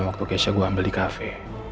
waktu keishaeh gue ambil di cafe